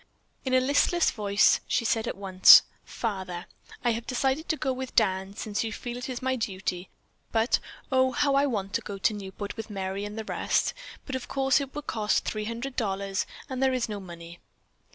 In a listless voice she said at once, "Father, I have decided to go with Dan since you feel that it is my duty, but, oh, how I want to go to Newport with Merry and the rest: but of course it would cost $300 and there is no money."